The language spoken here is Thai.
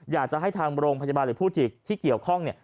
อยากจะให้ทางโรงพยาบาลหรือผู้ที่เกี่ยวข้อง